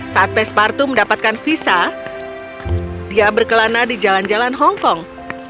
saat pespartu mendapatkan visa dia berkelana di jalan jalan hongkong